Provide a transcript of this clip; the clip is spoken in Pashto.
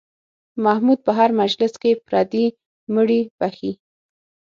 محمود په هر مجلس کې پردي مړي بښي.